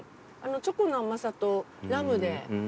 チョコの甘さとラムで。